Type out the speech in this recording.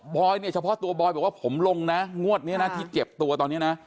อยเนี่ยเฉพาะตัวบอยบอกว่าผมลงนะงวดนี้นะที่เจ็บตัวตอนนี้นะ